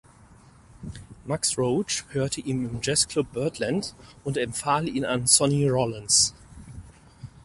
Max Roach hörte ihn im Jazzclub Birdland und empfahl ihn an Sonny Rollins.